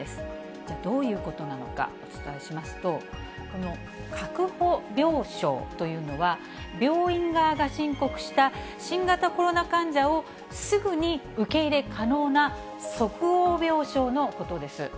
こちらどういうことなのか、お伝えしますと、この確保病床というのは、病院側が申告した新型コロナ患者をすぐに受け入れ可能な即応病床のことです。